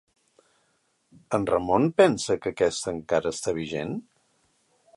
En Ramon pensa que aquesta encara està vigent?